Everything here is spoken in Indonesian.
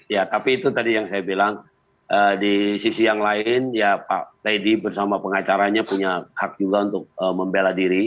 ya tapi itu tadi yang saya bilang di sisi yang lain ya pak teddy bersama pengacaranya punya hak juga untuk membela diri